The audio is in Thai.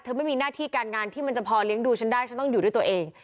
ฉันจะพอเลี้ยงดูฉันได้ฉันต้องอยู่ด้วยตัวเอง